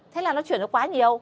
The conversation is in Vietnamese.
thế là nó chuyển nó quá nhiều